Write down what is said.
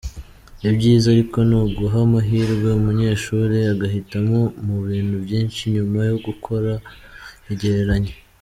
Ibyiza ariko ni uguha amahirwe umunyeshuri agahitamo mu bintu byinshi nyuma yo gukora igereranya.